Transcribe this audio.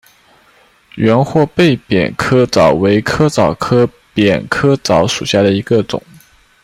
圆货贝扁裸藻为裸藻科扁裸藻属下的一个种。